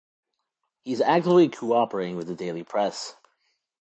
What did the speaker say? He is actively cooperating with the daily press.